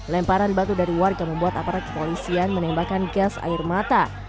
lemparan batu dari warga membuat aparat kepolisian menembakkan gas air mata